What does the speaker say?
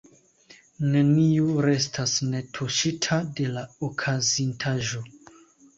Neniu restas netuŝita de la okazintaĵo.